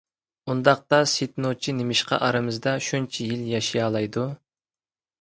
ئۇنداقتا سېيىت نوچى نېمىشقا ئارىمىزدا شۇنچە يىل ياشىيالايدۇ؟